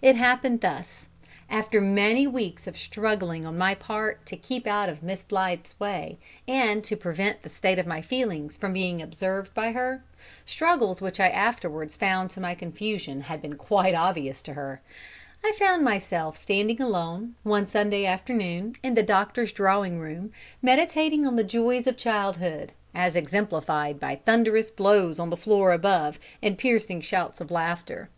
It happened thus. After many weeks of struggling on my part to keep out of Miss Blythe's way, and to prevent the state of my feelings from being observed by her struggles which I afterwards found to my confusion had been quite obvious to her I found myself standing alone, one Sunday afternoon, in the doctor's drawing room, meditating on the joys of childhood, as exemplified by thunderous blows on the floor above and piercing shouts of laughter.